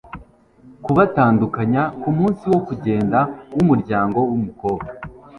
kubatandukanya kumunsi wo kugenda wumuryango wumukobwa